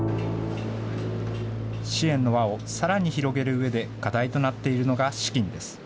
支援の輪をさらに広げるうえで課題となっているのが資金です。